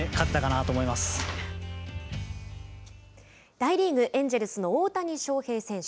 大リーグ、エンジェルスの大谷翔平選手。